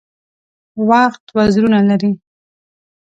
وخت وزرونه لري .